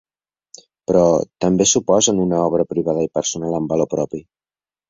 Però, també, suposen una obra privada i personal amb valor propi.